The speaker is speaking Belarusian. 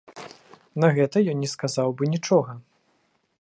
На гэта ён не сказаў бы нічога.